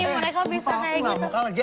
aku gak mau kalah